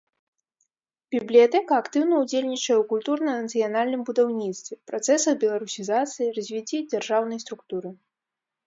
Бібліятэка актыўна ўдзельнічае ў культурна-нацыянальным будаўніцтве, працэсах беларусізацыі, развіцці дзяржаўнай структуры.